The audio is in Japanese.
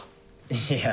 いや。